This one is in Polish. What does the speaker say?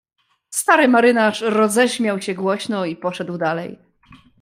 "Stary marynarz roześmiał się głośno i poszedł dalej."